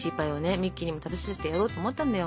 ミッキーにも食べさせてやろうと思ったんだよ。